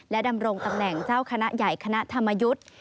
ดำรงตำแหน่งเจ้าคณะใหญ่คณะธรรมยุทธ์